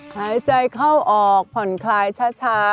หายใจเข้าออกผ่อนคลายช้า